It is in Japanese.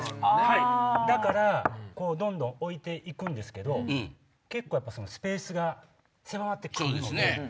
だからどんどん置いていくんですけどスペースが狭まってくるんです。